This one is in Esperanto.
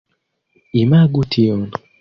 Imagu tion.